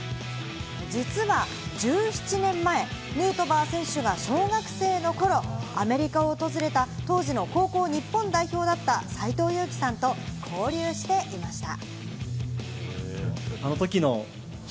実は１７年前、ヌートバー選手が小学生の頃、アメリカを訪れた当時の高校日本代表だった斎藤佑樹さんと交流していました。